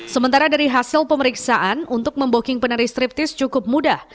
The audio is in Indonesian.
sementara dari hasil pemeriksaan untuk memboking penari striptease cukup mudah